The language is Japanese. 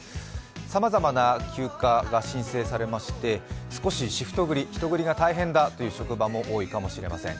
さまざまな休暇が申請されまして、少しシフト繰り、人繰りが大変だという仕事が多いかもしれません。